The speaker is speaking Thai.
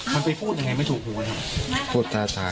มันจะพูดยังไงไม่ถูกหัว